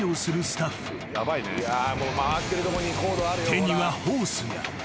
［手にはホースが］